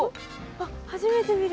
あっ初めて見る。